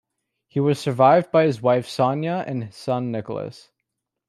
He was survived by his wife Sonia and son Nicholas.